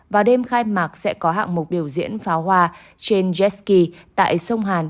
vào đêm khai mạc sẽ có hạng mục biểu diễn pháo hoa trên jet ski tại sông hàn đến sông hàn